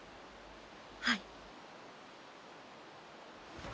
はい。